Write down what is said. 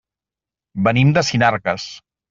Venim de Sinarques.